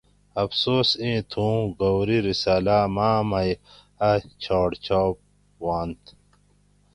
افسوس اِیں تھُو اُوں گاؤری رسالہ ماۤ مئ اۤ چھاٹ چاپ ہوانت